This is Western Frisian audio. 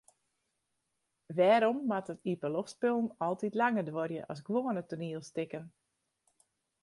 Wêrom moatte iepenloftspullen altyd langer duorje as gewoane toanielstikken?